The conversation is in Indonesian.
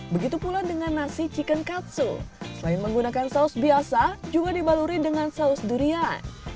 begitu pula dengan nasi chicken katsu selain menggunakan saus biasa juga dibalurin dengan saus durian